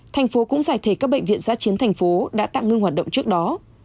thành phố cũng giải thể các bệnh viện giã chiến thành phố đã tạm ngưng hoạt động trước đó